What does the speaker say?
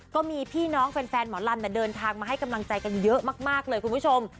ก็มีพี่น้องแฟนหมอลำเดินทางมาให้กำลังใจกันเยอะมากเลยคุณผู้ชม